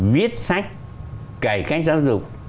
viết sách cải cách giáo dục